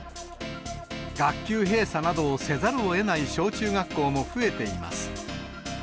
学級閉鎖などをせざるをえない小中学校も増えています。